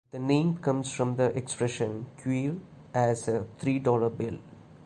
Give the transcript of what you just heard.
The name comes from the expression "Queer as a three dollar bill".